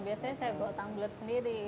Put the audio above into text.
biasanya saya bawa tumbler sendiri